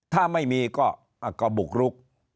ถ้าไม่มีก็บุกรุก